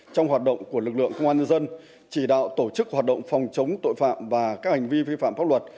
trong hoạt động của lực lượng công an nhân dân chỉ đạo tổ chức hoạt động phòng chống tội phạm và các hành vi vi phạm pháp luật